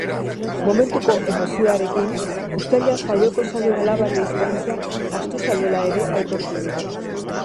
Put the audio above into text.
Momentuko emozioarekin uztailean jaioko zaion alabari eskaintzea ahaztu zaiola ere aitortu digu.